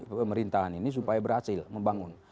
pemerintahan ini supaya berhasil membangun